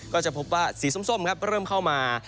ก็จะพบว่าสีส้มครับเริ่มเข้ามา